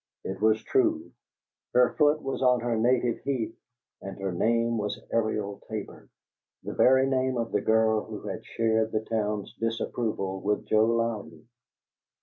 It was true: her foot was on her native heath and her name was Ariel Tabor the very name of the girl who had shared the town's disapproval with Joe Louden!